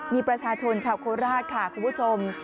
มีประชาชนชาวโคราชค่ะคุณผู้ชม